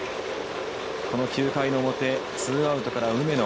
９回の表、ツーアウトから梅野。